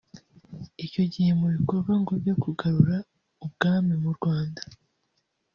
icyo gihe bari mu bikorwa ngo byo kugarura ubwami mu Rwanda